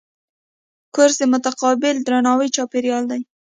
کورس د متقابل درناوي چاپېریال دی.